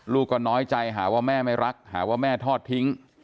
ก็น้อยใจหาว่าแม่ไม่รักหาว่าแม่ทอดทิ้ง